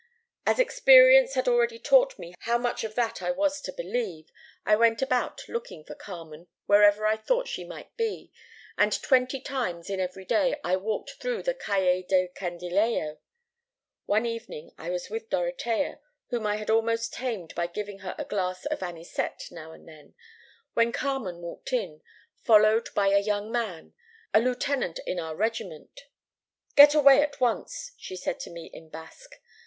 "As experience had already taught me how much of that I was to believe, I went about looking for Carmen wherever I thought she might be, and twenty times in every day I walked through the Calle del Candilejo. One evening I was with Dorotea, whom I had almost tamed by giving her a glass of anisette now and then, when Carmen walked in, followed by a young man, a lieutenant in our regiment. "'Get away at once,' she said to me in Basque.